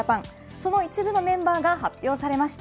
その一部のメンバーが発表されました。